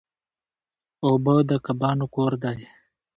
اوبه د کبانو کور دی.